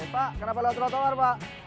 pak kenapa lewat trotoar pak